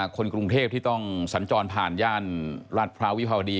คนกรุงเทพที่ต้องสัญจรผ่านย่านลาดพร้าววิภาวดี